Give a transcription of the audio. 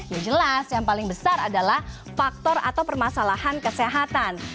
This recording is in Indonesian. ya jelas yang paling besar adalah faktor atau permasalahan kesehatan